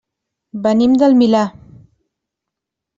Venim del Milà.